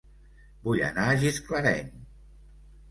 Vull anar a Gisclareny